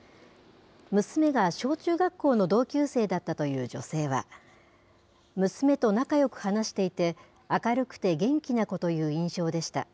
娘が小中学校の同級生だったという女性は、娘と仲よく話していて、明るくて元気な子という印象でした。